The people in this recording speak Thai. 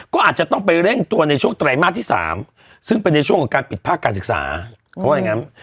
ก็อาจจะต้องไปเร่งตัวในช่วงไตรมาสที่๓ซึ่งเป็นในช่วงของการปิดภาคการศึกษาเขาว่าอย่างนั้น